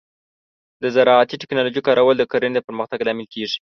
د زراعتي ټیکنالوجۍ کارول د کرنې پرمختګ لامل کیږي.